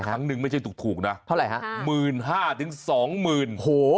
ครั้งนึงไม่ใช่ถูกนะมื้นห้าถึงสองหมื่นโอ้โห